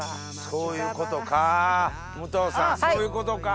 そういうことか！